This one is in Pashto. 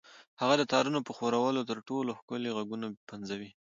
هغه د تارونو په ښورولو تر ټولو ښکلي غږونه پنځوي